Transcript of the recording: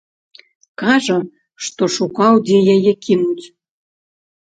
Кажа, што шукаў, дзе яе кінуць.